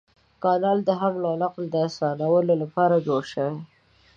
کانال د حمل او نقل د اسانولو لپاره جوړ شوی.